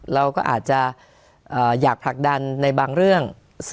เราก็อาจจะอยากผลักดันในบางเรื่อง